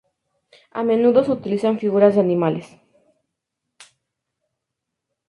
A menudo se utilizan figuras de animales.